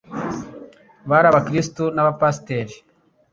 bari abakristo n'aba Pasiteri